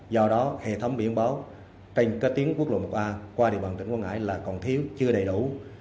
do đó hệ thống biển báo trên các tuyến quốc lộ một a qua địa bàn tỉnh quảng ngãi là còn thiếu chưa đầy đủ